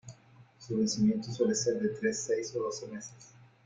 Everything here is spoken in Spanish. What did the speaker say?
Su vencimiento suele ser de tres, seis o doce meses.